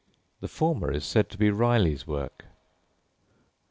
The former is said to be Riley's work.